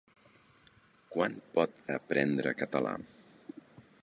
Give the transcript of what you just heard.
Quan pot aprendre català?